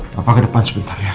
bapak ke depan sebentar ya